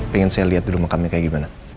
pengen saya lihat dulu makamnya kayak gimana